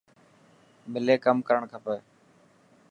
ملي ڪم ڪرڻ کپي.